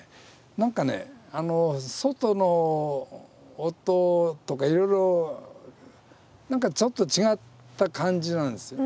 何かね外の音とかいろいろ何かちょっと違った感じなんですよ。